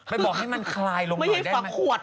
ไปบอกให้มันคลายลงหน่อยได้ไหม